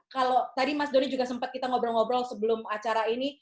kalau tadi mas doni juga sempat kita ngobrol ngobrol sebelum acara ini